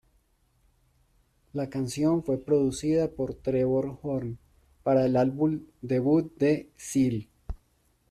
La canción fue producida por Trevor Horn para el álbum debut de Seal.